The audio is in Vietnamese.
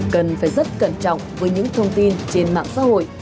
cần phải rất cẩn trọng với những thông tin trên mạng xã hội